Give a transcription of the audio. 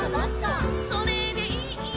「それでいい」